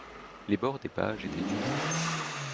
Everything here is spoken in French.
Les bords des pages étaient usés.